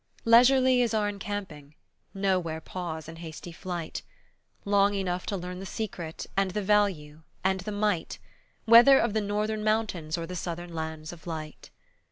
Leisurely is our encamping; nowhere pause in hasty flight. Long enough to learn the secret, and the value, and the might, Whether of the northern mountains or the southern lands of light.